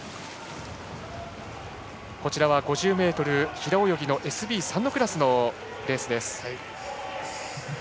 この映像は５０ｍ平泳ぎのＳＢ３クラスのレースです。